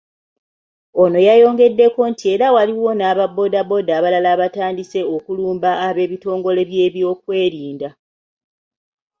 Ono yayongeddeko nti era waliwo n'aba boda boda abalala abatandise okulumba eb'ebitongole by'ebyokwerinda.